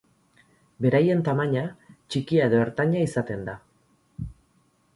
Beraien tamaina txikia edo ertaina izaten da.